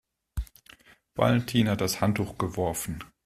Valentin hat das Handtuch geworfen.